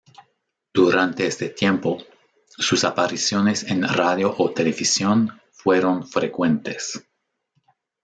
Durante este tiempo sus apariciones en radio o televisión fueron frecuentes.